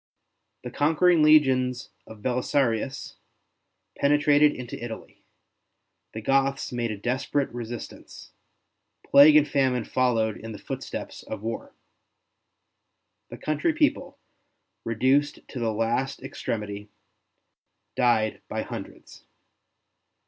The conquering legions of Belisarius penetrated into Italy; the Goths made a desperate resistance; plague and famine followed in the footsteps of war. The country people, reduced to the last extremity, died by hundreds.